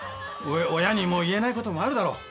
親にも言えないこともあるだろう。